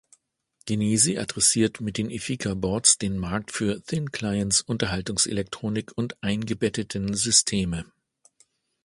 Genesi adressiert mit den Efika-Boards den Markt für Thin Clients, Unterhaltungselektronik und eingebetteten Systeme.